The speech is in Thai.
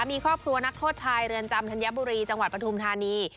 มีครอบครัวนักโทษชายเรือนจำธัญบุรีจังหวัดปฐุมธานี